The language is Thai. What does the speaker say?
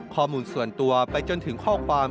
ข้อมูลส่วนตัวไปจนถึงข้อความ